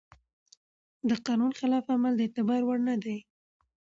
د قانون خلاف عمل د اعتبار وړ نه دی.